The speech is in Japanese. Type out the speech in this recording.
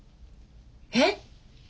えっ！？